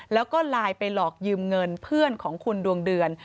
แล้วก็ไลน์ไปหลอกยืมเงินเพื่อนของคุณดวงเดือน